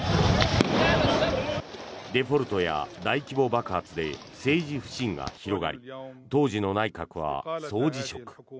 デフォルトや大規模爆発で政治不信が広がり当時の内閣は総辞職。